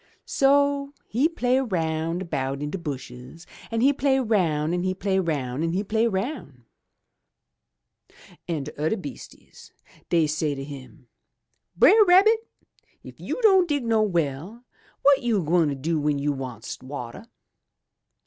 So he play roun' 'bout in de bushes an' he play roun' an' he play roun' an' he play roun'. An' de udder beast ises dey say to him, *Brer Rabbit, if you don' dig no well, wot 237 MY BOOK HOUSE you gwine do w'en you wants wateh?